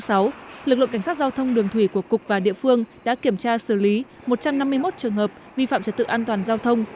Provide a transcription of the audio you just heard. lực lượng cảnh sát giao thông đường thủy của cục và địa phương đã kiểm tra xử lý một trăm năm mươi một trường hợp vi phạm trật tự an toàn giao thông